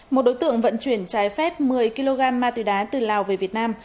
một đối tượng vận chuyển trái phép một mươi kg ma túy đá từ lào về việt nam